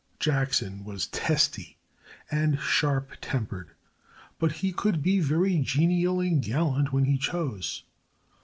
Jackson was testy, and sharp tempered, but he could be very genial and gallant when he chose.